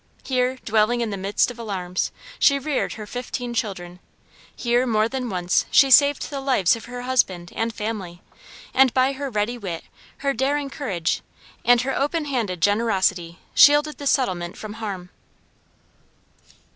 Here, dwelling in the midst of alarms, she reared her fifteen children; here more than once she saved the lives of her husband and family, and by her ready wit, her daring courage, and her open handed generosity shielded the settlement from harm.